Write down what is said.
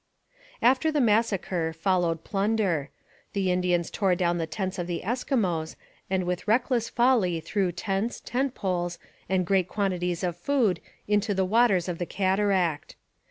After the massacre followed plunder. The Indians tore down the tents of the Eskimos and with reckless folly threw tents, tent poles, and great quantities of food into the waters of the cataract.